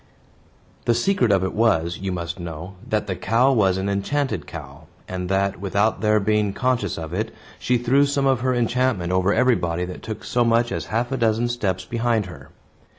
The secret of it was, you must know, that the cow was an enchanted cow, and that, without their being conscious of it, she threw some of her enchantment over everybody that took so much as half a dozen steps behind her.